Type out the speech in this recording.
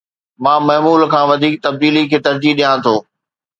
مان معمول کان وڌيڪ تبديلي کي ترجيح ڏيان ٿو